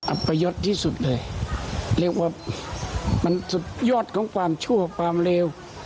อัปยศที่สุดเลยเรียกว่ามันสุดยอดของความชั่วความเลว